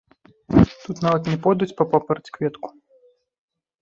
Тут нават не пойдуць па папараць-кветку.